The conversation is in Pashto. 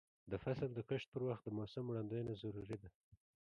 د فصل د کښت پر وخت د موسم وړاندوینه ضروري ده.